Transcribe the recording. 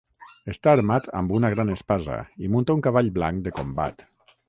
Està armat amb una gran espasa i munta un cavall blanc de combat.